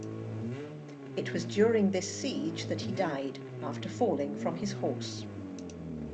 It was during this siege that he died, after falling from his horse.